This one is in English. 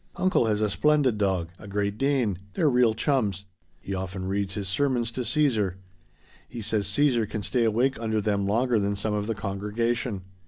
Uncle has a splendid dog a Great Dane; they're real chums. He often reads his sermons to Caesar. He says Caesar can stay awake under them longer than some of the congregation.